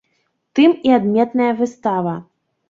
Тым і адметная выстава.